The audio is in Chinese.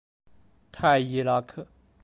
泰伊拉克。